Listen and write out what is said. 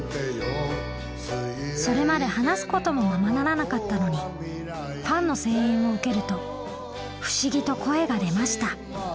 それまで話すこともままならなかったのにファンの声援を受けると不思議と声が出ました。